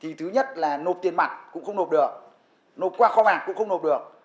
thì thứ nhất là nộp tiền mặt cũng không nộp được nộp qua kho bạc cũng không nộp được